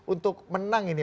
untuk menang ini